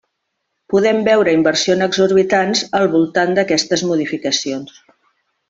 Podent veure inversions exorbitants al voltant d'aquestes modificacions.